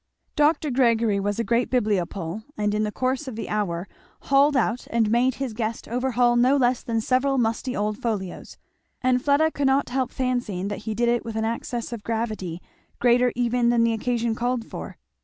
Dr. Gregory was a great bibliopole, and in the course of the hour hauled out and made his guest overhaul no less than several musty old folios; and Fleda could not help fancying that he did it with an access of gravity greater even than the occasion called for.